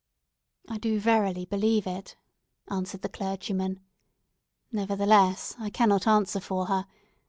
"I do verily believe it," answered the clergyman. "Nevertheless, I cannot answer for her.